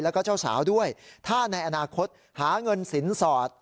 แล้วก็เจ้าสาวด้วยถ้าในอนาคตหาเงินสินสอด